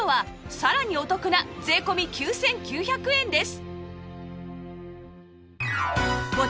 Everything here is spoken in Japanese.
さらにお得な税込９９００円です